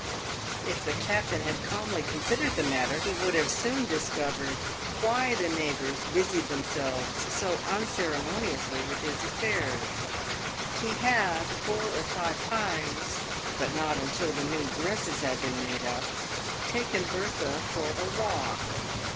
If the captain had calmly considered the matter, he would have soon discovered why the neighbours busied themselves so unceremoniously with his affairs. He had four or five times (but not until the new dresses had been made up) taken Bertha for a walk.